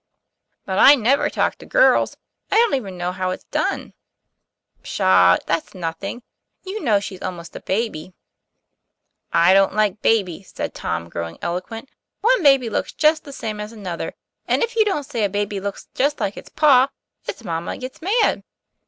"But I never talk to girls. I don't even know how it's done." "Pshaw! that's nothing. You know she's almost a baby." " I don't like babies," said Tom, growing eloquent. "One baby looks just the same as another; and if you don't say a baby looks just like its pa, its mamma gets mad.